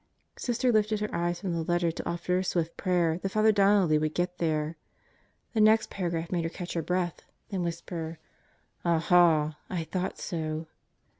Sister lifted her eyes from the letter to offer a swift prayer that Father Donnelly would get there. The next paragraph made her catch her breath, then whisper, "Aha, I thought so!"